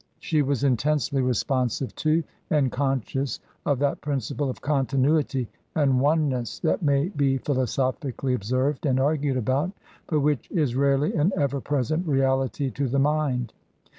She was intensely responsive to and conscious of that principle of continuity and oneness that may be philosophically observed and argued about, but which is rarely an ever present reality to the mind.